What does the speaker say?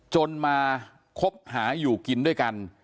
จนมาคบหาอยู่กินด้วยกัน